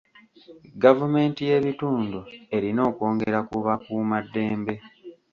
Gavumenti y'ebitundu erina okwongera ku bakuumaddembe.